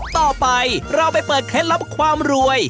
ต่อไปเราไปเปิดเคล็ดลับความรวย